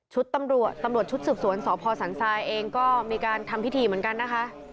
ตำรวจตำรวจชุดสืบสวนสพสันทรายเองก็มีการทำพิธีเหมือนกันนะคะ